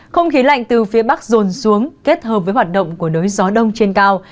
không khí lạnh từ phía bắc dồn xuống kết hợp với hoạt động của đối gió đông trên cao